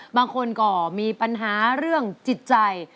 บางคนก็มีปัญหาเรื่องจิตใจ